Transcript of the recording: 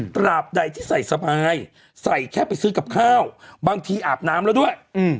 ตราบใดที่ใส่สบายใส่แค่ไปซื้อกับข้าวบางทีอาบน้ำแล้วด้วย